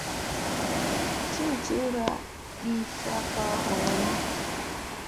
Ciciwra bis saɓpa huu lona.